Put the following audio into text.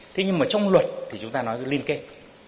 thế nhưng mà trong luật thì chúng ta nói liên kết